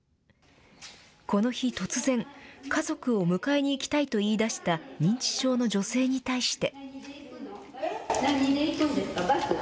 この日、突然、家族を迎えに行きたいと言いだした認知症の女性に対して。